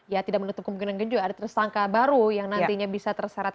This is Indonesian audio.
ya tidak menutup kemungkinan gejo ada tersangka baru yang nantinya bisa terseret